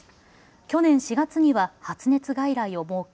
去年４月には発熱外来を設け